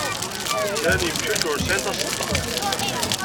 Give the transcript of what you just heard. Kra n yemcac ur sɛin taseḍḍa.